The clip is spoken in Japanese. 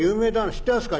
「知ってますか？」。